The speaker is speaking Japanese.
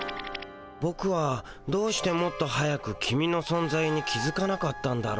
ボクはどうしてもっと早くキミのそんざいに気づかなかったんだろ。